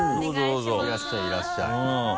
いらっしゃいいらっしゃい。